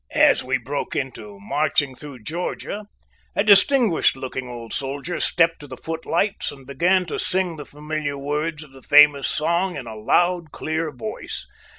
As we broke into "Marching Through Georgia," a distinguished looking old soldier stepped to the foot lights and began to sing the familiar words of the famous song in a loud, clear voice.